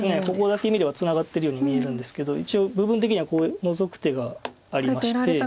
ここだけ見ればツナがってるように見えるんですけど一応部分的にはこうノゾく手がありまして。